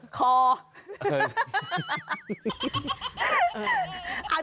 ใจคอ